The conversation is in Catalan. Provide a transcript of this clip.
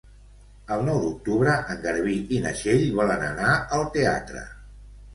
El nou d'octubre en Garbí i na Txell volen anar al teatre.